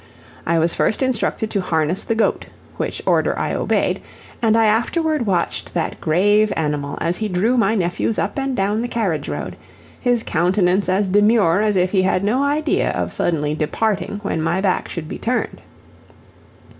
I was first instructed to harness the goat, which order I obeyed, and I afterward watched that grave animal as he drew my nephews up and down the carriage road, his countenance as demure as if he had no idea of suddenly departing when my back should be turned.